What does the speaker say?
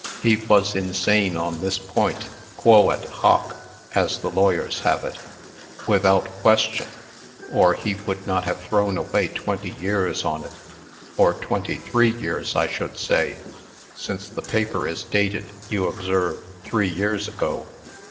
He was insane on this point quoad hoc, as the lawyers have it without question, or he would not have thrown away twenty years on it; or twenty three years, I should say, since the paper is dated, you observe, three years ago."